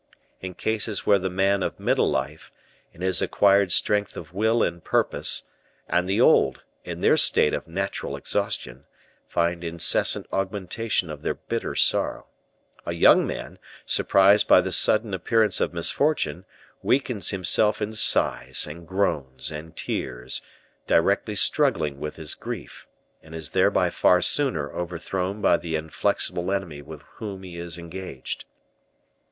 In cases where the man of middle life, in his acquired strength of will and purpose, and the old, in their state of natural exhaustion, find incessant augmentation of their bitter sorrow, a young man, surprised by the sudden appearance of misfortune, weakens himself in sighs, and groans, and tears, directly struggling with his grief, and is thereby far sooner overthrown by the inflexible enemy with whom he is engaged.